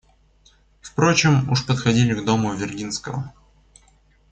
Впрочем, уж подходили к дому Виргинского.